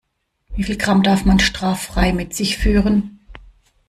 Wie viel Gramm darf man straffrei mit sich führen?